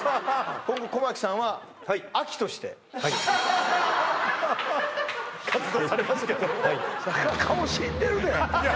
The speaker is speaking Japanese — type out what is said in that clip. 今後小牧さんは秋としてはい活動されますけどはいいや